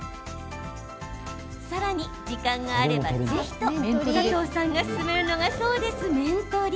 さらに、時間があればぜひと佐藤さんが勧めるのが面取り。